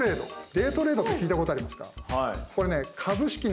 デイトレードって聞いたことありますか？